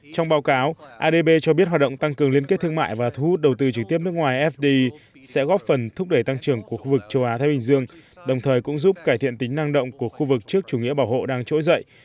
trong báo cáo adb cho biết hoạt động tăng cường liên kết thương mại và thu hút đầu tư trực tiếp nước ngoài fdi sẽ góp phần thúc đẩy tăng trưởng của khu vực châu á thái bình dương đồng thời cũng giúp cải thiện tính năng động của khu vực trước chủ nghĩa bảo hộ đang trỗi dậy